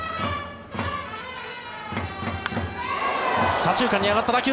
左中間に上がった打球。